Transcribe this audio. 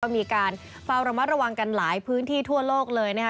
มีการเฝ้าระมัดระวังกันหลายพื้นที่ทั่วโลกเลยนะคะ